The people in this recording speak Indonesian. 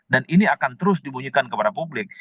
dan ini akan terus dibunyikan kepada publik